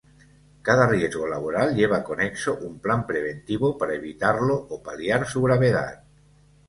Cada riesgo laboral lleva conexo un plan preventivo para evitarlo o paliar su gravedad.